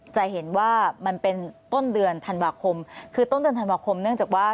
จะเห็นว่ามันเป็นต้นเดือนธันวาคมคือต้นเดือนธันวาคมเนื่องจากว่า